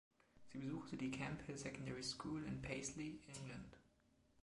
Sie besuchte die Camphill Secondary School in Paisley, England.